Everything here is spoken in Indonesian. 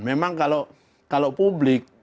memang kalau publik